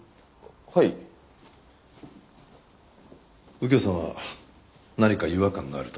右京さんは何か違和感があると？